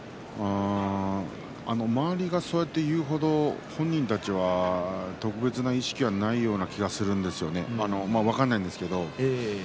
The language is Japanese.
周りがそうやって言う程本人たちは特別な意識はないような気がするんですよね分からないんですけれど。